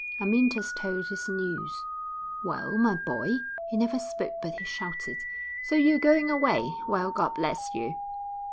Amyntas told his news. 'Well, my boy' he never spoke but he shouted 'so you're going away? Well, God bless you!'